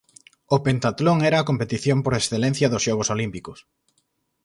O péntatlon era a competición por excelencia dos Xogos Olímpicos.